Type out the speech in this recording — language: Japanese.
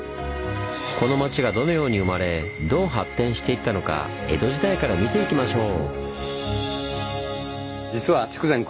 この町がどのように生まれどう発展していったのか江戸時代から見ていきましょう！